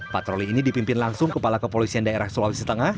patroli ini dipimpin langsung kepala kepolisian daerah sulawesi tengah